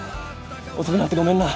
遅くなってごめんな。